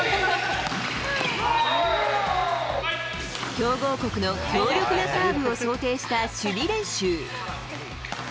強豪国の強力なサーブを想定した守備練習。